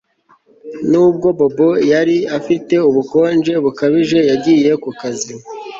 Nubwo Bobo yari afite ubukonje bukabije yagiye ku kazi